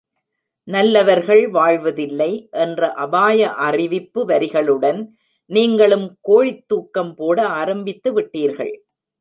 நல்லவர்கள் வாழ்வதில்லை! என்ற அபாய அறிவிப்பு வரிகளுடன் நீங்களும் கோழித்தூக்கம் போட ஆரம்பித்துவிட்டீர்கள்.